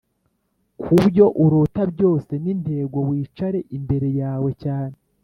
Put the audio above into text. kubyo urota byose nintego wicare imbere yawe cyane.